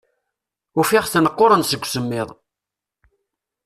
Ufiɣ-ten qquren deg usemmiḍ.